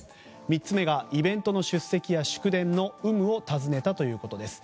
３つ目が、イベントの出席や祝電の有無を尋ねたということです。